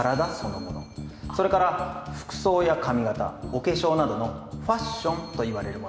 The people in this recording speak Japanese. それから服装や髪形お化粧などのファッションといわれるもの。